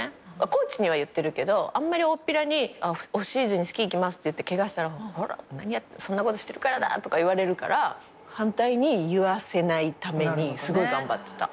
コーチには言ってるけどあんまりおおっぴらにオフシーズンにスキー行きますってケガしたら「そんなことしてるからだ」とか言われるから反対に言わせないためにすごい頑張ってた。